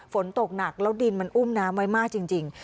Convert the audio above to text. ฝนตกหนักแล้วดินมันอุ้มน้ำไว้มากจริง